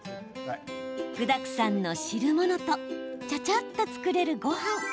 具だくさんの汁物とちゃちゃっと作れるごはん。